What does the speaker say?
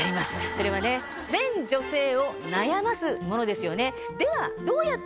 それは全女性を悩ますものですよね。